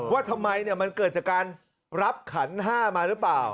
ว่าทำไมมันเกิดจากการรับขันห้ามาหรือเปล่า